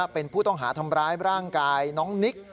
เป็นผู้ต้องหาทำร้ายร่างกายน้องนิก